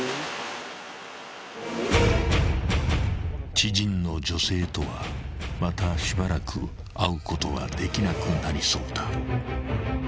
［知人の女性とはまたしばらく会うことはできなくなりそうだ］